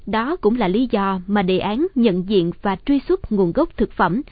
đó cũng là lý do mà đề án nhận diện và truy xuất nguồn gốc thực phẩm